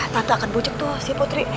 tante akan bucek tuh si putri